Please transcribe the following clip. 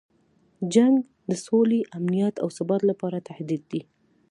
جنګ د سولې، امنیت او ثبات لپاره تهدید دی.